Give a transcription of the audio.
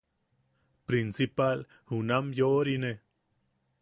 Prinsipal junam yoʼorine.